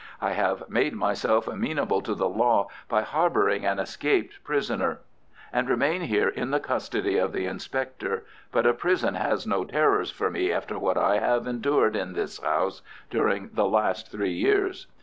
I have made myself amenable to the law by harbouring an escaped prisoner, and remain here in the custody of the inspector, but a prison has no terrors for me after what I have endured in this house during the last three years."